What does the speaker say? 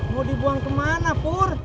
mau dibuang kemana pur